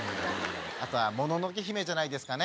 あとは『もののけ姫』じゃないですかね。